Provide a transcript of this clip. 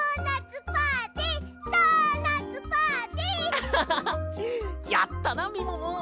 アハハハやったなみもも。